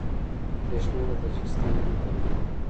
بریښنا له تاجکستان واردوي